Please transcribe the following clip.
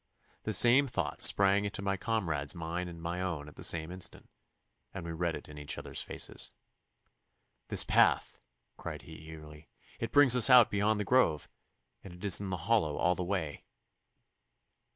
The same thought sprang into my comrade's mind and my own at the same instant, and we read it in each other's faces. 'This path,' cried he eagerly. 'It brings us out beyond the grove, and is in the hollow all the way.